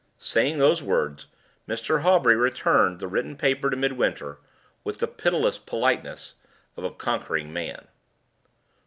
Saying those words, Mr. Hawbury returned the written paper to Midwinter, with the pitiless politeness of a conquering man.